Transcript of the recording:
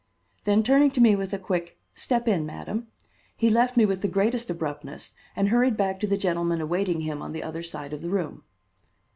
Then, turning to me with a quick, "Step in, Madam," he left me with the greatest abruptness and hurried back to the gentlemen awaiting him on the other side of the room.